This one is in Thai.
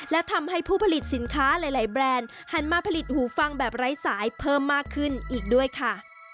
และทำให้ผู้ผลิตสินค้าหลายแบรนด์หันมาผลิตหูฟังแบบไร้สายเพิ่มมากขึ้นอีกด้วยค่ะ